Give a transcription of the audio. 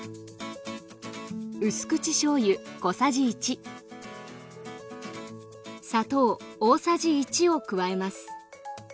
うす口しょうゆ小さじ１砂糖大さじ１を加えます。